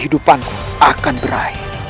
hidupanku akan berai